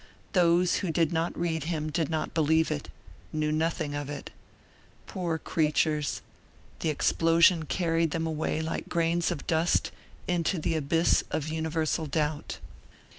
Those who did not read him did not believe it, knew nothing of it. Poor creatures! The explosion carried them away like grains of dust into the abyss of universal doubt.